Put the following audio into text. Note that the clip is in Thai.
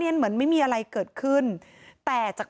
พอครูผู้ชายออกมาช่วยพอครูผู้ชายออกมาช่วย